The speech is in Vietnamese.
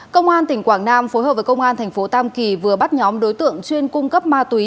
công an tỉnh quảng nam phối hợp với công an thành phố tam kỳ vừa bắt nhóm đối tượng chuyên cung cấp ma túy